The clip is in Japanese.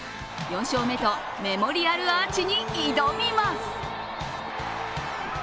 ４勝目とメモリアルアーチに挑みます。